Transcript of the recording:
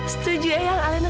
setuju ya alena